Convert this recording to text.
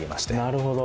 なるほど。